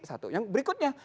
satu yang berikutnya